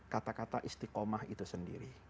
kata kata istiqomah itu sendiri